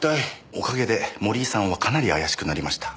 おかげで森井さんはかなり怪しくなりました。